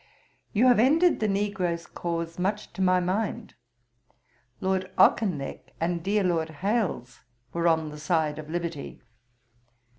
'You have ended the negro's cause much to my mind. Lord Auchinleck and dear Lord Hailes were on the side of liberty.